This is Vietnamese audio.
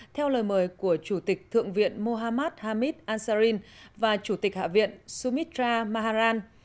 theo lời mời của chủ tịch thượng viện mohammad hamid ansarin và chủ tịch hạ viện sumitra maharan